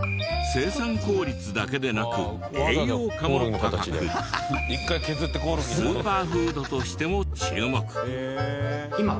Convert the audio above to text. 生産効率だけでなく栄養価も高くスーパーフードとしても注目。